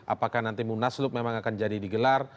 apakah nanti munaslup memang akan jadi digelar